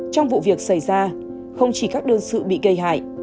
trong vụ việc xảy ra không chỉ các đơn sự bị gây hại